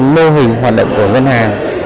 mô hình hoạt động của ngân hàng